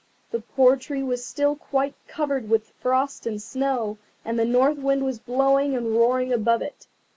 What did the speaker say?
The poor tree was still quite covered with frost and snow, and the North Wind was blowing and roaring above it.